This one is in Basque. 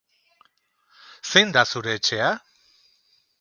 Zein da zure etxea?